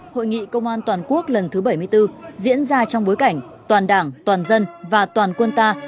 hội nghị công an toàn quốc lần thứ bảy mươi bốn diễn ra trong bối cảnh toàn đảng toàn dân và toàn quân ta